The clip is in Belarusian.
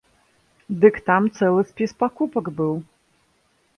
Дык там цэлы спіс пакупак быў!